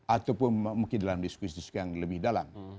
ataupun mungkin dalam diskusi diskusi yang lebih dalam